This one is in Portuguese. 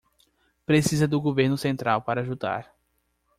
Precisa do governo central para ajudar